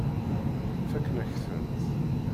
Fakken-ak-tent.